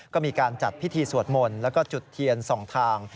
ก็มีการจัดพิธีสวดมนต์แล้วก็จุดเทียน๒ทาง